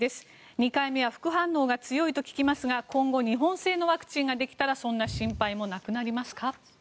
２回目は副反応が強いと聞きますが今後日本製のワクチンができたらそんな心配もなくなりますか？